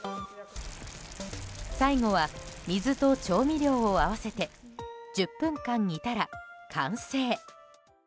最後は水と調味料を合わせて１０分間煮たら完成。